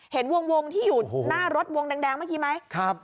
เห็นวงที่อยู่หน้ารถวงแดงเมื่อกี้ไหม